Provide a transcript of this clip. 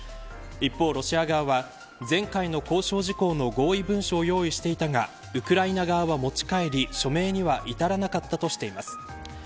一方、ロシア側は前回の交渉事項の合意文書を用意していたがウクライナ側は持ち帰り署名には至らなかったとしています。